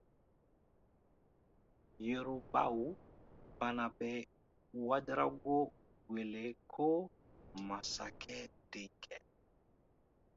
Yorubakaw fana bɛ Ouédraogo wele ko masakɛ denkɛ.